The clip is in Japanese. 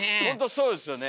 そうですよね。